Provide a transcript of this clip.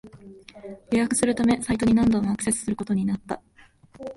予約するためサイトに何度もアクセスすることになった